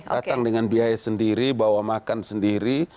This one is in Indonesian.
datang dengan biaya sendiri bawa makan sendiri